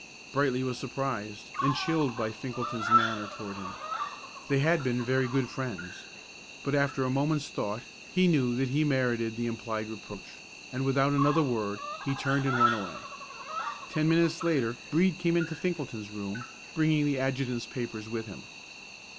Brightly was surprised and chilled by Finkelton's manner toward him. They had been very good friends. But after a moment's thought, he knew that he merited the implied reproach; and without another word he turned and went away. Ten minutes later Brede came into Finkelton's room, bringing the adjutant's papers with him.